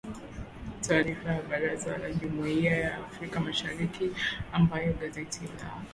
Taarifa ya Baraza la jumuia ya Afrika mashariki ambayo gazeti la